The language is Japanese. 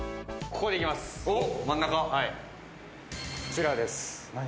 こちらです。